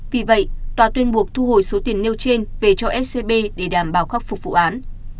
vì vậy tòa tuyên buộc thu hồi số tiền nêu trên về cho scb để đảm bảo khắc phục vụ án